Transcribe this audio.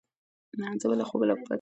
زه له خوبه پاڅېږم.